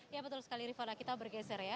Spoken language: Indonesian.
ya betul sekali rifana kita bergeser ya